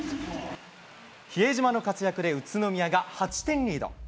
比江島の活躍で宇都宮が８点リード。